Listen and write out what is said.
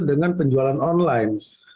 dengan penjualan online